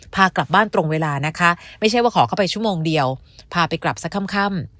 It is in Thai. พากลับบ้านตรงเวลานะคะไม่ใช่ว่าขอเข้าไปชั่วโมงเดียวพาไปกลับสักค่ำ